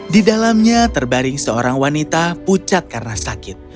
di dalamnya terbaring seorang wanita pucat karena sakit